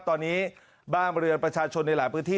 ตอนนี้บ้านเรือนประชาชนในหลายพื้นที่